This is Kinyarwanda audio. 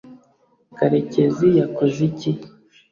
karekezi yakoze iki